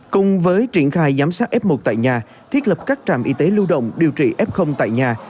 cùng với triển khai giám sát f một tại nhà thiết lập các trạm y tế lưu động điều trị f tại nhà